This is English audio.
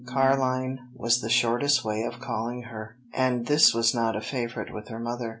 Carline was the shortest way of calling her, and this was not a favorite with her mother.